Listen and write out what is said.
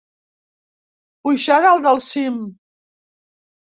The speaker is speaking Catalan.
Pujar dalt del cim.